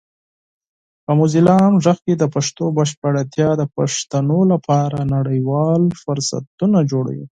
په موزیلا عام غږ کې د پښتو بشپړتیا د پښتنو لپاره نړیوال فرصتونه جوړوي.